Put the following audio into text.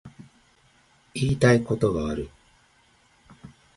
言いたいことがある